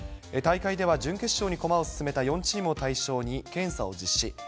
大会では準決勝に駒を進めた４チームを対象に、検査を実施。